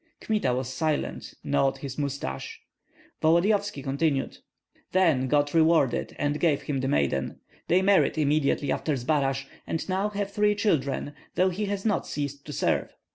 Kmita was silent, gnawed his mustache. Volodyovski continued, "Then God rewarded and gave him the maiden. They married immediately after Zbaraj, and now have three children, though he has not ceased to serve.